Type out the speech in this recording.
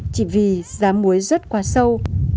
chỉ vì giá muối rất quá sâu